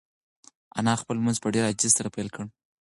انا خپل لمونځ په ډېرې عاجزۍ سره پیل کړ.